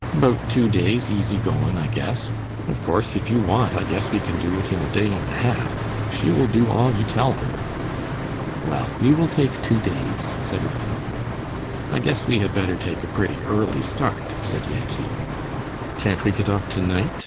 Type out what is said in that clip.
"'Bout two days easy goin,' I guess. Of course if you want, I guess we can do it in a day and a half. She will do all you tell her." "Well, we will take two days," said Ranald. "I guess we had better take a pretty early start," said Yankee. "Can't we get off to night?"